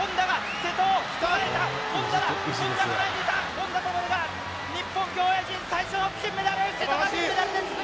本多灯が日本競泳陣最初の金メダル！